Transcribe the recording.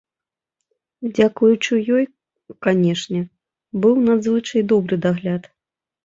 Дзякуючы ёй, канешне, быў надзвычай добры дагляд.